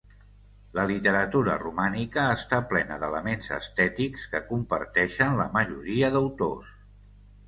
La literatura romànica està plena d'elements estètics que comparteixen la majoria d'autors.